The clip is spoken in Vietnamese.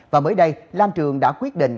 và mới đây lam trường đã quyết định